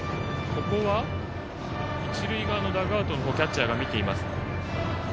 一塁側のダグアウトをキャッチャーが見ています。